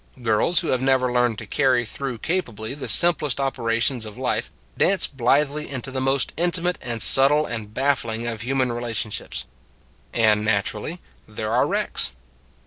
Girls who have never learned to carry through capably the simplest operations of life dance blithely into the most intimate and subtle and baffling of human relation ships. And, naturally, there are wrecks.